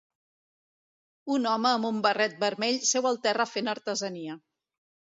Un home amb un barret vermell seu al terra fent artesania.